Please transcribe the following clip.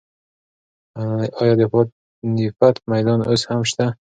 ایا د پاني پت میدان اوس هم شته؟